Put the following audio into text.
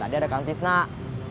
tadi ada kang fiznah